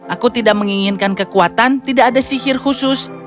aku tidak menginginkan kekuatan tidak ada sihir khusus